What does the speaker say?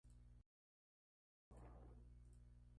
Para Al-Ghazali, Dios es la única causa de la naturaleza.